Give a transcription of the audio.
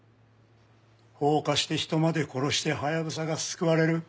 放火して人まで殺してハヤブサが救われる？